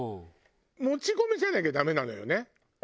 もち米じゃなきゃダメなのよね？